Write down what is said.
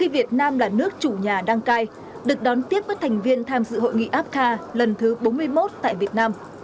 việt nam là nước chủ nhà đăng cai được đón tiếp với thành viên tham dự hội nghị apca lần thứ bốn mươi một tại việt nam